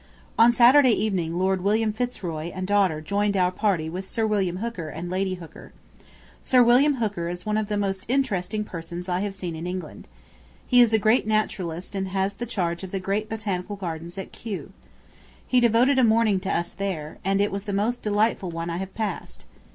On Saturday evening Lord William Fitzroy and daughter joined our party with Sir William Hooker and Lady Hooker. ... Sir William Hooker is one of the most interesting persons I have seen in England. He is a great naturalist and has the charge of the great Botanical Gardens at Kew. He devoted a morning to us there, and it was the most delightful one I have passed.